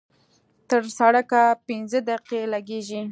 تر سړکه پينځه دقيقې لګېږي.